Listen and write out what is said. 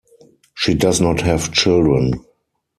She does not have children.